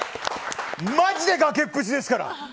マジでがけっぷちですから！